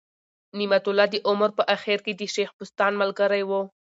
نعمت الله د عمر په آخر کي د شېخ بستان ملګری ؤ.